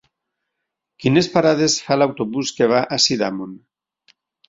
Quines parades fa l'autobús que va a Sidamon?